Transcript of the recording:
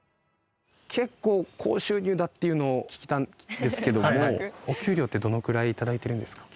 結構高収入だっていうのを聞いたんですけどもお給料ってどのくらい頂いてるんですか？